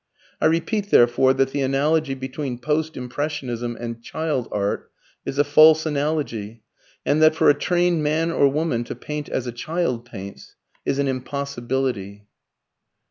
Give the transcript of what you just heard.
I repeat, therefore, that the analogy between Post Impressionism and child art is a false analogy, and that for a trained man or woman to paint as a child paints is an impossibility.